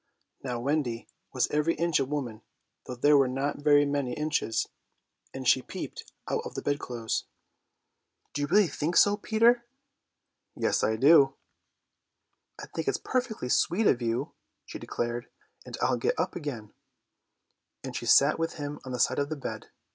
Now Wendy was every inch a woman, though there were not very many inches, and she peeped out of the bed clothes. "Do you really think so, Peter?" "Yes, I do." "I think it's perfectly sweet of you," she declared, "and I'll get up again," and she sat with him on the side of the bed.